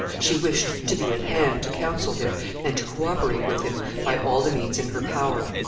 She wished to be at hand to counsel him, and to co operate with him by all the means in her power.